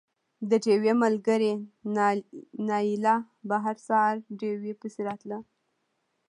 د ډېوې ملګرې نايله به هر سهار ډېوې پسې راتله